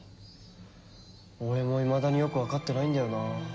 俺もいまだによくわかってないんだよな。